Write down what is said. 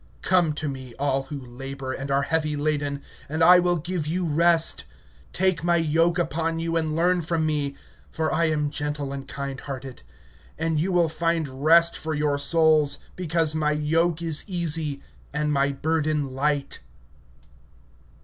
(28)Come unto me all ye that labor and are heavy laden, and I will give you rest. (29)Take my yoke upon you, and learn from me; for I am meek and lowly in heart; and ye shall find rest for your souls. (30)For my yoke is easy, and my burden light.